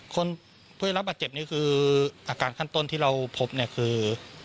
คนที่รับปัจเจ็บนี่คืออาการขั้นต้นที่เราพบคือ